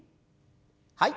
はい。